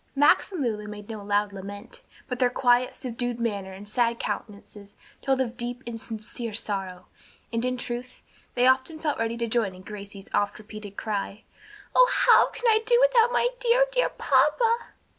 Max and Lulu made no loud lament, but their quiet, subdued manner and sad countenances told of deep and sincere sorrow, and, in truth, they often felt ready to join in Gracie's oft repeated cry, "Oh, how can I do without my dear, dear papa?"